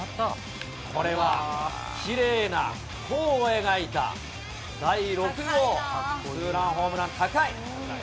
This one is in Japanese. これは、きれいなこを描いた、第６号ツーランホームラン、高い。